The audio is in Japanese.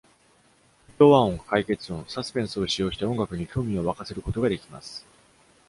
不協和音、解決音、サスペンスを使用して、音楽に興味を沸かせることができます。